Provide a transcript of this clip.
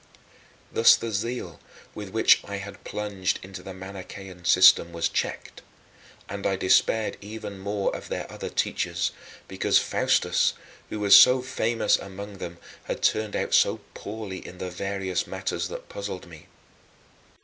13. Thus the zeal with which I had plunged into the Manichean system was checked, and I despaired even more of their other teachers, because Faustus who was so famous among them had turned out so poorly in the various matters that puzzled me.